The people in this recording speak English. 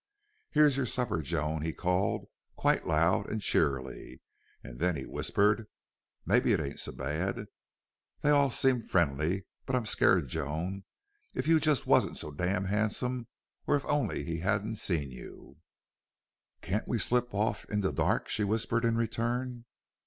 "Here's your supper, Joan," he called, quite loud and cheerily, and then he whispered: "Mebbe it ain't so bad. They all seem friendly. But I'm scared, Joan. If you jest wasn't so dam' handsome, or if only he hadn't seen you!" "Can't we slip off in the dark?" she whispered in return.